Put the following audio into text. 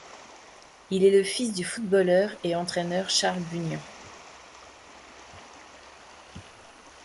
Il est le fils du footballeur et entraîneur Charles Bunyan.